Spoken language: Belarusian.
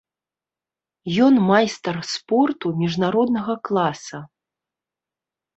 Ён майстар спорту міжнароднага класа.